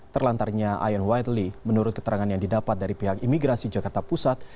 terlantarnya ayan whiteleay menurut keterangan yang didapat dari pihak imigrasi jakarta pusat